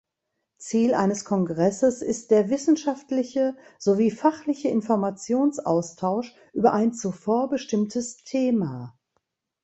Ziel eines Kongresses ist der wissenschaftliche sowie fachliche Informationsaustausch über ein zuvor bestimmtes Thema.